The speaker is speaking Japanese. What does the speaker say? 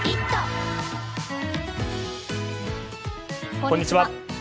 こんにちは。